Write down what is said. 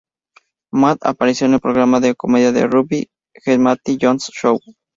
Matt apareció en el programa de comedia de rugby "The Matty Johns Show".